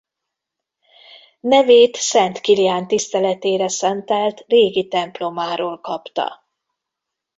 Nevét Szent Kilián tiszteletére szentelt régi templomáról kapta.